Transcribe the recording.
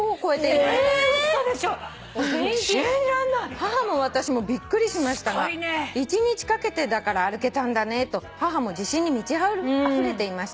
「母も私もびっくりしましたが一日かけてだから歩けたんだねと母も自信に満ちあふれていました」